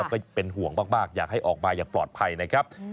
ก็เป็นห่วงมากอยากให้ออกมาอย่างปลอดภัยนะครับ